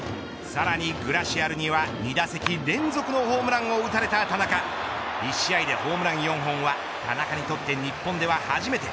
さらにグラシアルには２打席連続ホームランを打たれた田中１試合でホームラン４本は田中にとって日本では初めて。